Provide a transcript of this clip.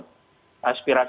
aspirasi ke prabowo